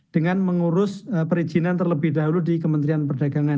dengan mengurus perizinan terlebih dahulu di kementerian perdagangan